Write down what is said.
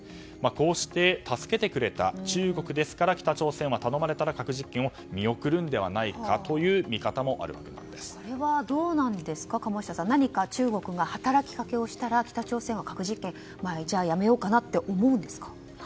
こうして助けてくれた中国ですから、北朝鮮は頼まれたら核実験を見送るのではないかというどうなんですか、鴨下さん何か中国が働きかけたら北朝鮮は核実験をじゃあ、やめようかなと思うんですか？